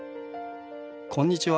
こんにちは。